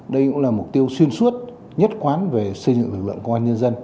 đây cũng là mục tiêu xuyên suốt nhất quán về xây dựng lực lượng công an nhân dân